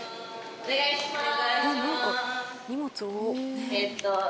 お願いします。